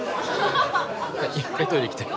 １回トイレ行きたい。